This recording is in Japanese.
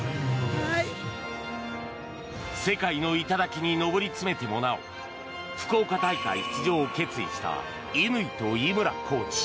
世界の頂に上り詰めてもなお福岡大会出場を決意した乾と井村コーチ。